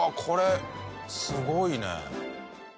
これすごいね。